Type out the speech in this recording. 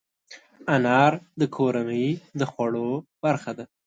انار د کورنۍ د خوړو برخه ده.